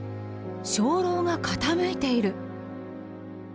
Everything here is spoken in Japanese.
鐘楼が傾いている。